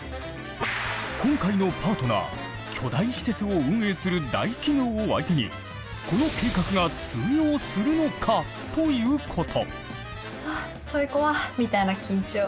今回のパートナー巨大施設を運営する大企業を相手にこの計画が通用するのか？ということ。